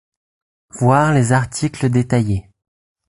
Voir les articles détaillés.